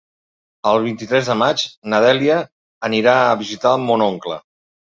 El vint-i-tres de maig na Dèlia anirà a visitar mon oncle.